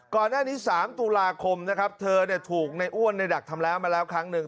ก่อนหน้านี้๓ตุลาคมนะครับเธอถูกในอ้วนในดักทำร้ายมาแล้วครั้งหนึ่ง